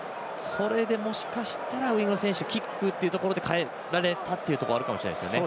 それで、もしかしたらウイングの選手キックというところで代えられたということはあるかもしれませんね。